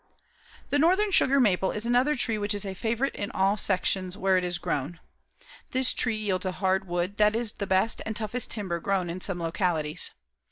The northern sugar maple is another tree which is a favorite in all sections where it is grown. This tree yields a hard wood that is the best and toughest timber grown in some localities.